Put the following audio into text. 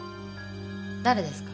誰ですか？